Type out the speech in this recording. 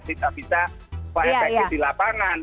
kita bisa paham paham di lapangan